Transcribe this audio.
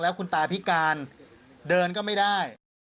คุณตาพิการเดินก็ไม่ได้